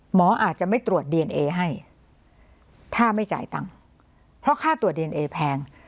อาจจะไม่ตรวจดีเอนเอให้ถ้าไม่จ่ายตังค์เพราะค่าตรวจดีเอนเอแพง